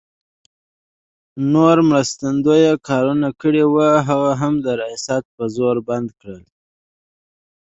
نور مرستندویه کارونه کړي وو، هغه هم ریاست په زور بند کړل.